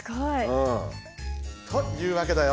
うん。というわけだよ。